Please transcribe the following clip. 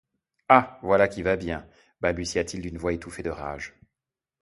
Ah! voilà qui va bien ! balbutia-t-il d’une voix étouffée de rage.